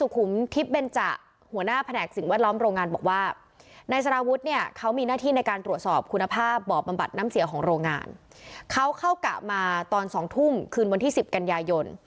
เขาเข้ากะมาตอน๒ทุ่มคืนวันที่๑๐กันยายน